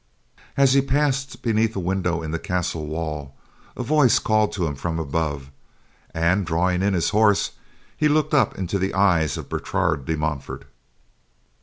As he passed beneath a window in the castle wall, a voice called to him from above, and drawing in his horse, he looked up into the eyes of Bertrade de Montfort.